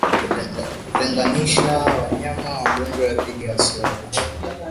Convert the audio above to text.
Kutenganisha wanyama wagonjwa dhidi ya wasio wagonjwa